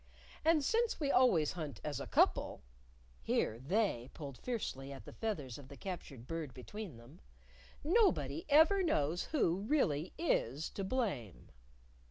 "And since we always hunt as a couple" (here They pulled fiercely at the feathers of the captured bird between them) "nobody ever knows who really is to blame."